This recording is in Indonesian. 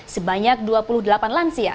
sebanyak dua puluh delapan lansia